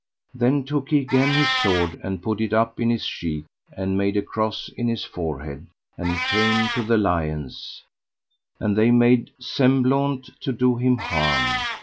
Then took he again his sword and put it up in his sheath, and made a cross in his forehead, and came to the lions, and they made semblaunt to do him harm.